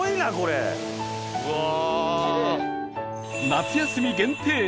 夏休み限定！